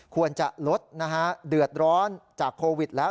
ควรจะลดนะฮะเดือดร้อนจากโควิดแล้ว